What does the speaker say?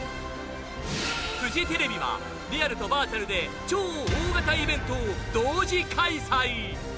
フジテレビはリアルとバーチャルで超大型イベントを同時開催。